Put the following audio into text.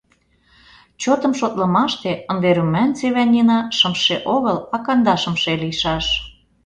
Чотым шотлымаште, ынде Румянцева Нина шымше огыл, а кандашымше лийшаш.